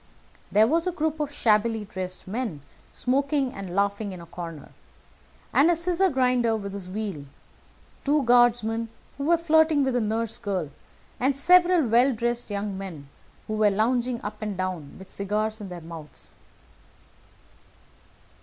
There was a group of shabbily dressed men smoking and laughing in a corner, a scissors grinder with his wheel, two guardsmen who were flirting with a nurse girl, and several well dressed young men who were lounging up and down with cigars in their mouths.